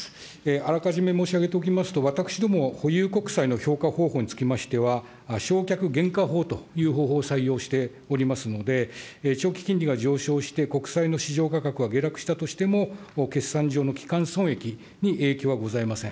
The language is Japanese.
あらかじめ申し上げておきますと、私ども、保有国債の評価方法につきましては、償却原価法という方法を採用しておりますので、長期金利が上昇して、国債の市場価格が下落したとしても、決算上のきかん損益に影響はございません。